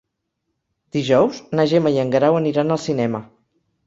Dijous na Gemma i en Guerau aniran al cinema.